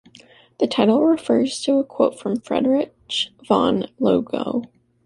The title refers to a quote from Friedrich von Logau.